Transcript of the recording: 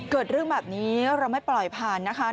เกิดเรื่องแบบนี้เราไม่ปล่อยผ่านนะคะ